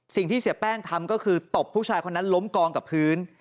สิ่งที่เสียแป้งทำก็คือตบผู้ชายคนนั้นล้มกองกับพื้น